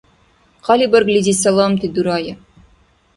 Хъалибарглизи саламти дурая.